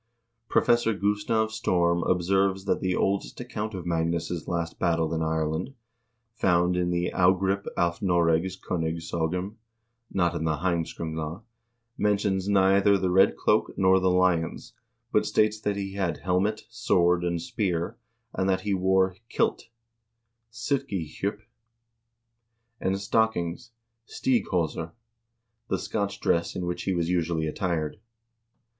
1 Professor Gustav Storm observes 2 that the oldest account of Magnus' last battle in Ireland, found in the "Agrip af Norregs Konungas0gum," not in the " Heimskringla," mentions neither the red cloak nor the lions, but states that he had helmet, sword, and spear, and that he wore kilt (silkihjup) and stockings (stighosor) — the Scotch dress in which he was usually attired.